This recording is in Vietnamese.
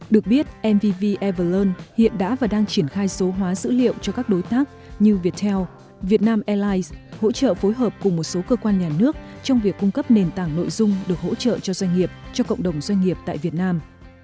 được biết mvv evalon hiện đã và đang triển khai số hóa dữ liệu cho các đối tác như viettel vietnam airlines hỗ trợ phối hợp cùng một số cơ quan nhà nước trong việc cung cấp nền tảng nội dung được hỗ trợ cho doanh nghiệp cho cộng đồng doanh nghiệp tại việt nam